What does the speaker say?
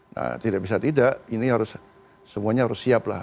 nah tidak bisa tidak ini harus semuanya harus siap lah